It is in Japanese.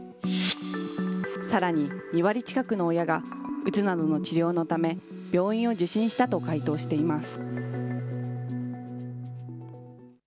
さらに２割近くの親がうつなどの治療のため、病院を受診したと回答しています。